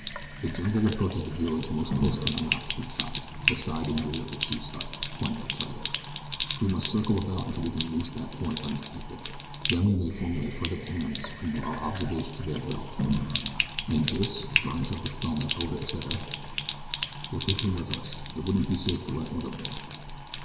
"The jungle approaches the village most closely on the opposite side the side in rear of the chief's hut," pointed out Theriere. "We must circle about until we can reach that point undetected, then we may formulate further plans from what our observations there develop." "An' dis?" Byrne shoved a thumb at Oda Iseka. "We'll take him with us it wouldn't be safe to let him go now."